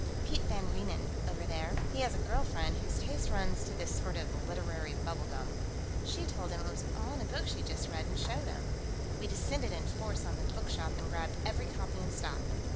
"Piet van Reenen, over there, he has a girl friend whose taste runs to this sort of literary bubble gum. She told him it was all in a book she'd just read, and showed him. We descended in force on the bookshop and grabbed every copy in stock.